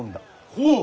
ほう！